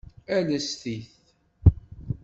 Ales-it.